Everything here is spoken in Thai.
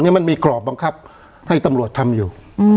มันมีกรอบบังคับให้ตำรวจทำอยู่